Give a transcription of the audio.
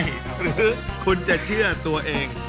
หรือคุณจะเชื่อตัวเอง